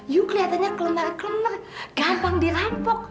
yuh kelihatannya kelemert kelemert gampang dirampok